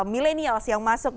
millennials yang masuk